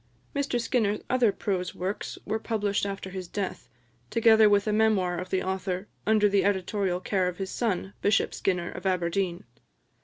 Mr Skinner's other prose works were published after his death, together with a Memoir of the author, under the editorial care of his son, Bishop Skinner of Aberdeen.